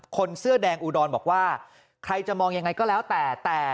คนเสื้อแดงอุดรบอกว่าใครจะมองยังไงก็แล้วแต่